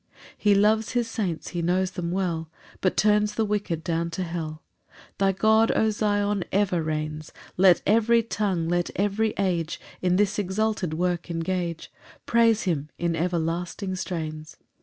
5 He loves his saints; he knows them well, But turns the wicked down to hell; Thy God, O Zion, ever reigns: Let every tongue, let every age, In this exalted work engage; Praise him in everlasting strains.